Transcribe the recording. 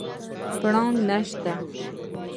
پړانګ نشته